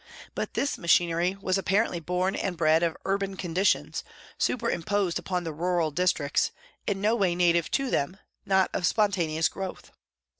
But this machinery was apparently born and bred of urban conditions, super imposed upon the rural districts, in no way native to them, not of spontaneous growth.